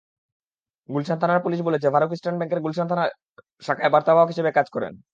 গুলশান থানার পুলিশ বলেছে, ফারুক ইস্টার্ন ব্যাংকের গুলশান শাখায় বার্তাবাহক হিসেবে কাজ করেন।